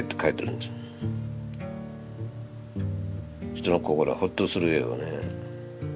人の心がホッとする絵をね